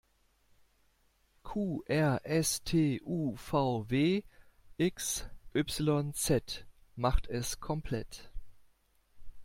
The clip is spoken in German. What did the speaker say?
Q-R-S-T-U-V-W-X-Y-Z macht es komplett!